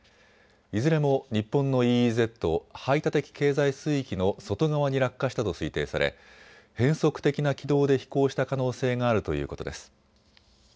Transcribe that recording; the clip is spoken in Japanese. いずれも日本のＥＥＺ・排他的経済水域の外側に落下したと推定され変則的な軌道で飛行した可能性があるということです。